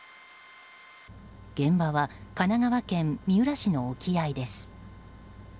現場は神奈川県三浦市の沖合です。